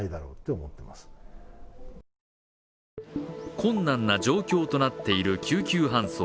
困難な状況となっている救急搬送。